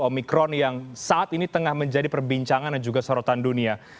omikron yang saat ini tengah menjadi perbincangan dan juga sorotan dunia